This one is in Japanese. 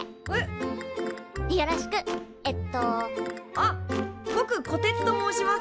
あっぼくこてつと申します。